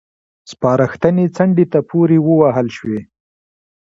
سپارښتنې څنډې ته پورې ووهل شوې.